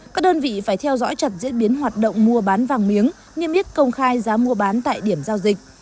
các đơn vị phải theo dõi chặt diễn biến hoạt động mua bán vàng miếng nghiêm yết công khai giá mua bán tại điểm giao dịch